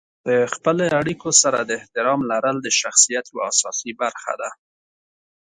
د خپلې اړیکو سره د احترام لرل د شخصیت یوه اساسي برخه ده.